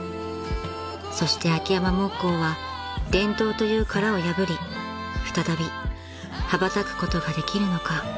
［そして秋山木工は伝統という殻を破り再び羽ばたくことができるのか］